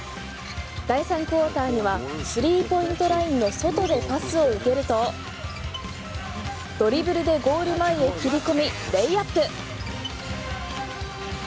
第３クオーターにはスリーポイントラインの外でパスを受けるとドリブルでゴール前に切り込みレイアップ。